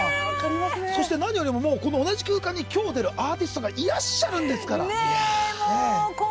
そして何よりも同じ空間に今日、出るアーティストがいらっしゃるんですから。